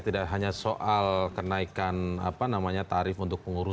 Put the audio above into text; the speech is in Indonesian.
makanya hari ini penuh kan gitu